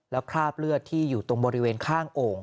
แล้วคราบเลือดที่อยู่ตรงบริเวณข้างโอ่ง